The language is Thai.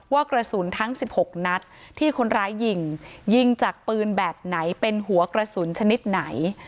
ว่ากระสุนทั้ง๑๖นัดที่คนร้ายยิงยิงจากปืนแบบไหนเป็นหัวกระสุนชนิดไหน